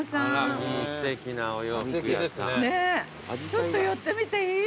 ちょっと寄ってみていい？